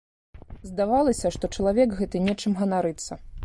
Здавалася, што чалавек гэты нечым ганарыцца.